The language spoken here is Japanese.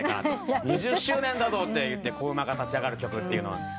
２０周年だぞって言って子馬が立ち上がる曲。